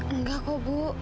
enggak kok bu